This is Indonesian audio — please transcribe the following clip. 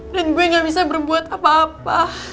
gue gak bisa berbuat apa apa